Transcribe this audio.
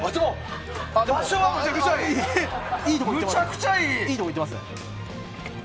場所、めちゃくちゃいい！